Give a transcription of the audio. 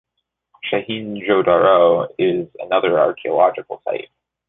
Chaheen Jo Daro is another archaeological site.